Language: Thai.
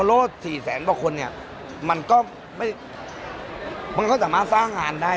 พอโล่สี่แสนบาทคนเนี่ยมันก็ไม่มันก็สามารถสร้างงานได้